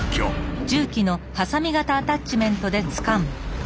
あっ。